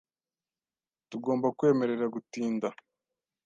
Tugomba kwemerera gutinda.